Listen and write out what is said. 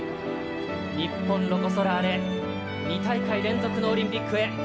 日本ロコ・ソラーレ２大会連続のオリンピックへ。